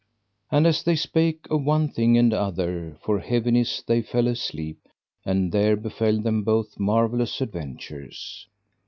And as they spake of one thing and other, for heaviness they fell asleep, and there befell them both marvellous adventures.